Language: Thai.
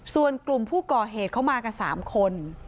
ส่วนกลุ่มผู้ก่อเหตุเข้ามากัน๓คน